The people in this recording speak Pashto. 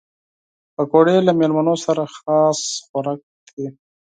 پکورې له مېلمنو سره خاص خوراک دي